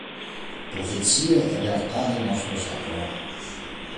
Profezie e realtà del nostro secolo.